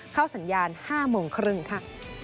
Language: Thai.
เข้าสัญญาณ๕โมงครึ่งค่ะ